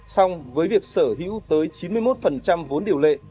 xong với việc sở hữu tới chín mươi một vốn điều lệ